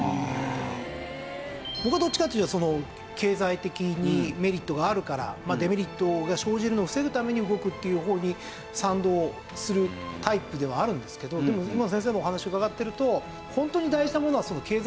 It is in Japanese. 僕はどっちかというと経済的にメリットがあるからデメリットが生じるのを防ぐために動くっていう方に賛同するタイプではあるんですけどでも今の先生のお話伺ってると。